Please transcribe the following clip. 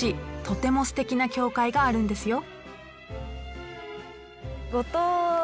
とてもすてきな教会があるんですよ。